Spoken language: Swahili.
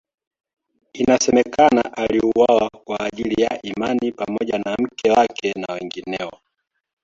Inasemekana aliuawa kwa ajili ya imani pamoja na mke wake na wengineo.